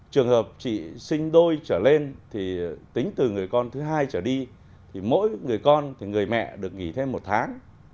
trường hợp chị sinh đôi trở lên thì tính từ người con thứ hai trở đi thì mỗi người con thì người mẹ được nghỉ thêm một tháng